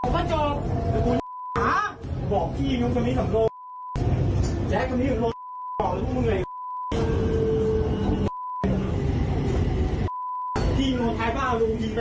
ไปเจียนที่อื่นนะคะ